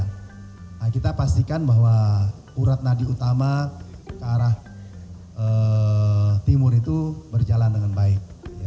nah kita pastikan bahwa urat nadi utama ke arah timur itu berjalan dengan baik